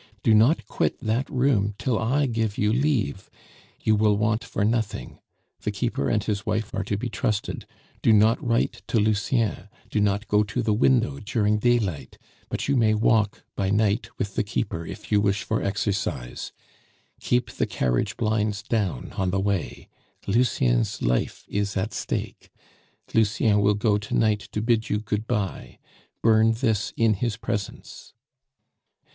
Do not quit that room till I give you leave; you will want for nothing. The keeper and his wife are to be trusted. Do not write to Lucien. Do not go to the window during daylight; but you may walk by night with the keeper if you wish for exercise. Keep the carriage blinds down on the way. Lucien's life is at stake. "Lucien will go to night to bid you good bye; burn this in his presence."